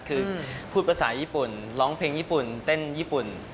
คือพูดภาษาญี่ปุ่นร้องเพลงญี่ปุ่นเต้นญี่ปุ่น